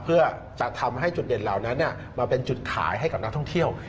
เพื่อจะทำให้จุดเด่นเหล่านั้นมาเป็นจุดขายให้กับนักท่องเที่ยว